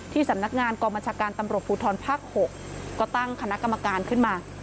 ที่สำนักงานกรมชาการตำรวจภูทรภักดิ์๖ก็ตั้งคณะกรรมการขึ้นมา